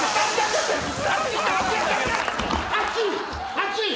熱い！